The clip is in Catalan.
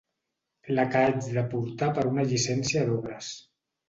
La que haig de portar per una llicència d'obres.